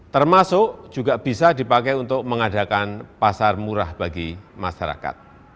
termasuk juga bisa dipakai untuk mengadakan pasar murah bagi masyarakat